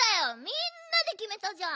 みんなできめたじゃん。